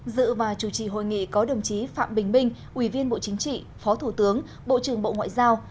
dự và chủ trì hội nghị có đồng chí phạm bình minh ủy viên bộ chính trị phó thủ tướng bộ trưởng bộ ngoại giao